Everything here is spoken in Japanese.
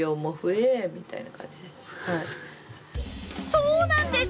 ［そうなんです］